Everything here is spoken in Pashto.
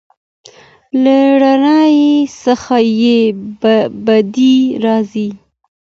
له رڼایي څخه یې بدې راځي.